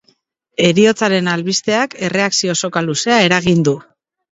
Heriotzaren albisteak erreakzio soka luzea eragin du.